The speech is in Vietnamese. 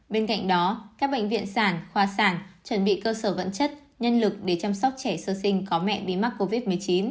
bên cạnh đó các bệnh viện sản khoa sản chuẩn bị cơ sở vật chất nhân lực để chăm sóc trẻ sơ sinh có mẹ bị mắc covid một mươi chín